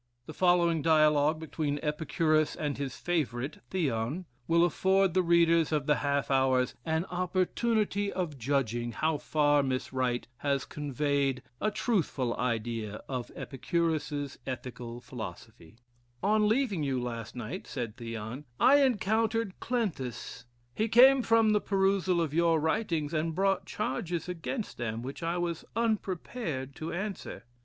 The following dialogue between Epicurus and his favorite, Theon, will afford the readers of the "Half Hours" an opportunity of judging how far Miss Wright has conveyed a truthful idea of Epicurus's ethical philosophy: "On leaving you, last night," said Theon, "I encountered Cleanthes. He came from the perusal of your writings, and brought charges against them which I was unprepared to answer."